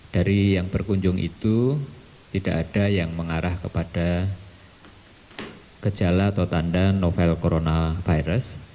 dari yang berkunjung itu tidak ada yang mengarah kepada gejala atau tanda novel coronavirus